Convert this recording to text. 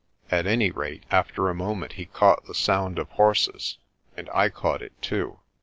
At any rate, after a moment he caught the sound of horses, and I caught it too.